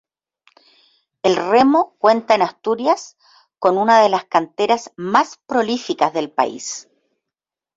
El remo cuenta en Asturias con una de las canteras más prolíficas del país.